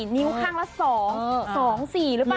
นิ้วข้างละ๒๒๔หรือเปล่า